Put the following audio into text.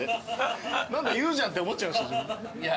何だ言うじゃんって思っちゃいました。